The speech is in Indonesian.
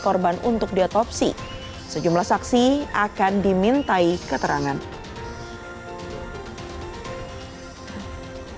korban untuk diotopsi sejumlah saksi akan dimintai keterangan